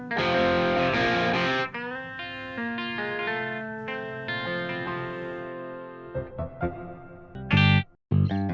kami juga sangat menghargai keterterangan pak ridwan